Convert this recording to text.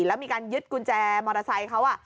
แล้วมีการยึดกุญแจมอเตอร์ไซค์เขา